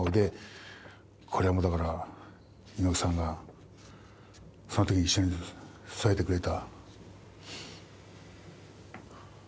これもだから猪木さんがその時一緒に添えてくれた。